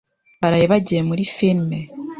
Baraye bagiye muri firime.